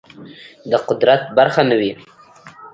د قدرت برخه نه وي